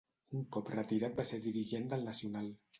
Un cop retirat va ser dirigent del Nacional.